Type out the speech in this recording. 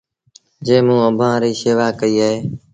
جيٚنٚ موٚنٚ اڀآنٚ ريٚ شيوآ ڪئيٚ اهي